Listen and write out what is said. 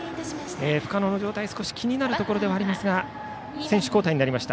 深野の状態、少し気になるところではありますが選手交代です。